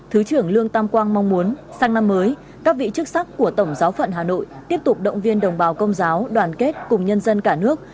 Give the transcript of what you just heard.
thứ trưởng lương tam quang mong muốn sang năm mới các vị chức sắc của tổng giáo phận hà nội tiếp tục động viên đồng bào công giáo đoàn kết cùng nhân dân cả nước